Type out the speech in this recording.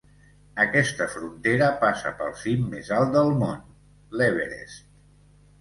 Aquesta frontera passa pel cim més alt del món, l'Everest.